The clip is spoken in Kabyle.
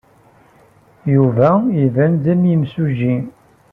Yuba iban-d am yimsujji.